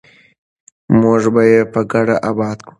موږ به یې په ګډه اباد کړو.